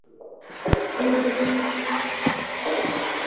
Mungu mwenye wivu